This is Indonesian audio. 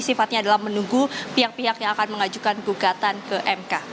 sifatnya adalah menunggu pihak pihak yang akan mengajukan gugatan ke mk